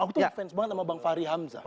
aku tuh fans banget sama bang fahri hamzah